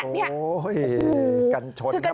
โอ้โฮกัญชนครับคุณ